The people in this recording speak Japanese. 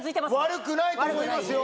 悪くないと思いますよ。